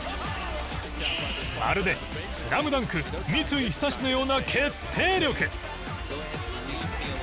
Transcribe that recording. まるで『ＳＬＡＭＤＵＮＫ』三井寿のような決定力！